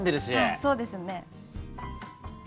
はいそうですね。